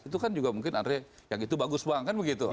itu kan juga mungkin andre yang itu bagus banget kan begitu